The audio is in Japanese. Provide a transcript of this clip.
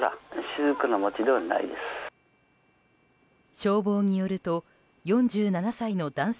消防によると４７歳の男性